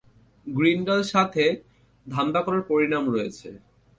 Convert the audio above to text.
Grindle সাথে ধান্দা করার পরিণাম রয়েছে।